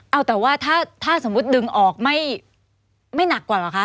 เอาแต่ว่าถ้าสมมุติดึงออกไม่หนักกว่าเหรอคะ